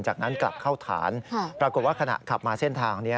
จากนั้นกลับเข้าฐานปรากฏว่าขณะขับมาเส้นทางนี้